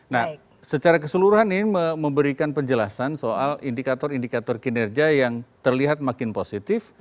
nah secara keseluruhan ini memberikan penjelasan soal indikator indikator kinerja yang terlihat makin positif